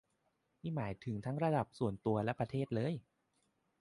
นี่หมายถึงทั้งระดับส่วนตัวและประเทศเลย